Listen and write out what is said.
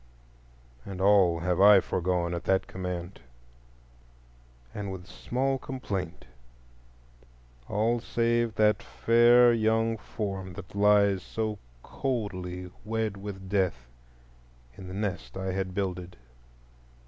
_ And all have I foregone at that command, and with small complaint,—all save that fair young form that lies so coldly wed with death in the nest I had builded.